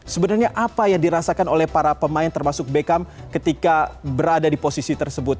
sebenarnya apa yang dirasakan oleh para pemain termasuk beckham ketika berada di posisi tersebut